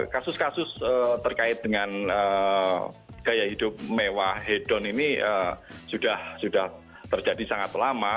kasus kasus terkait dengan gaya hidup mewah hedon ini sudah terjadi sangat lama